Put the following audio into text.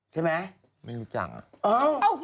ใช่ไหมไม่รู้จักอะ